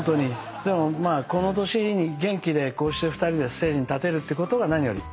でもまあこの年に元気でこうして２人でステージに立てるってことが何より。